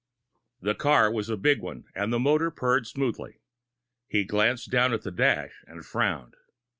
The car was a big one, and the motor purred smoothly. He glanced down at the dash, and frowned.